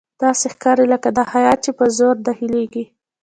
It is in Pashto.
داسې ښکاري لکه دا هیات چې په زور داخليږي.